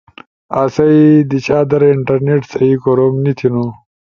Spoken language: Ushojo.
آسئی دیشا در انٹرنیٹ سہی کوروم نی تھینو۔